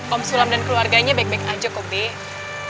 om sulam dan keluarganya baik baik aja kok deh